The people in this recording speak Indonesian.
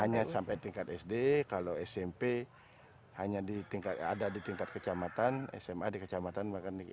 hanya sampai tingkat sd kalau smp hanya ada di tingkat kecamatan sma di kecamatan